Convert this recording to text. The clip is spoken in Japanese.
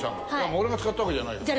俺が使ったわけじゃないから。